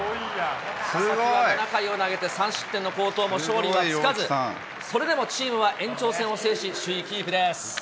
佐々木は７回を投げて、３失点の好投も勝利はつかず、それでもチームは延長戦を制し、首位キープです。